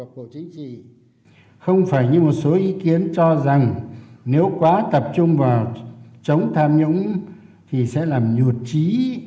không phải như một số ý kiến cho rằng nếu quá tập trung vào chống tham nhũng thì sẽ làm nhụt trí